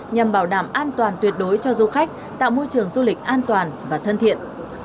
nhằm bảo đảm an toàn tuyệt đối cho du khách tạo môi trường du lịch an toàn và thân thiện